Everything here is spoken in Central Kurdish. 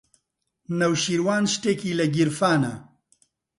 نەوشیروان شتێکی لە گیرفانە.